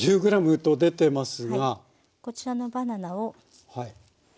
こちらのバナナを。